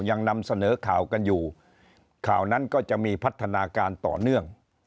ยังนำเสนอข่าวกันอยู่ข่าวนั้นก็จะมีพัฒนาการต่อเนื่อง